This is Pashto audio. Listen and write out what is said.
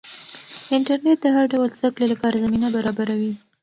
انټرنیټ د هر ډول زده کړې لپاره زمینه برابروي.